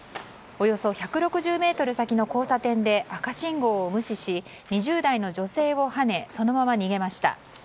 およそ１６０ｍ先の交差点で赤信号を無視し２０代の女性をはねそのまま逃げました。